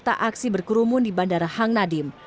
para peserta aksi berkerumun di bandara hang nadim